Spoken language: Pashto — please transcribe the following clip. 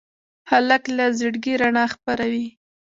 هلک له زړګي رڼا خپروي.